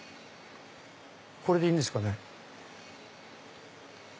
これでいいんですかね？